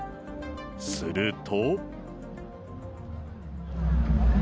すると。